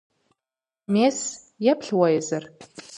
Мес, еплъ уэ езыр!